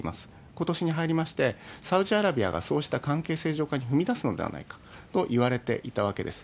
ことしに入りまして、サウジアラビアがそうした関係正常化に踏み出すのではないかといわれていたわけです。